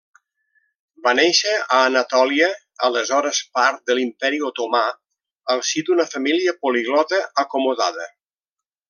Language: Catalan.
Va néixer a Anatòlia, aleshores part de l'Imperi otomà, al si d'una família poliglota acomodada.